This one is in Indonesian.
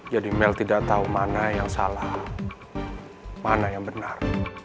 mel tidak tahu mana yang salah mana yang benar